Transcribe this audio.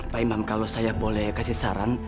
pak imam kalau saya boleh kasih saran